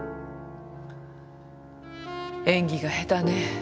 演技が下手ね。